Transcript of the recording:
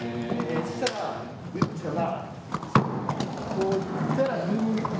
こう行ったら。